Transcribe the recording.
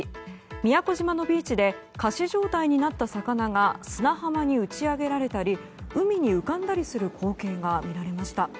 宮古島のビーチで仮死状態になった魚が砂浜に打ち上げられたり海に浮かんだりする光景が見られました。